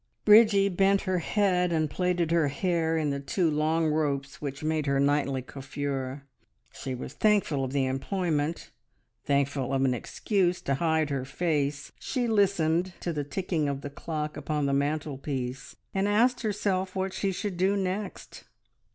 Bridgie bent her head and plaited her hair in the two long ropes which made her nightly coiffure. She was thankful of the employment, thankful of an excuse to hide her face; she listened to the ticking of the clock upon the mantelpiece and asked herself what she should do next.